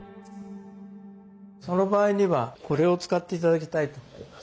その場合にはこれを使って頂きたいと思います。